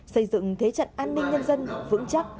xây dựng thế trận an ninh nhân dân vững chắc